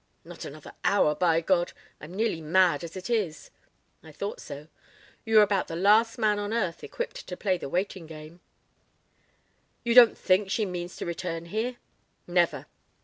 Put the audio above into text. "Not another hour, by God! I'm nearly mad as it is." "I thought so. You are about the last man on earth equipped to play the waiting game." "You don't think she means to return here?" "Never.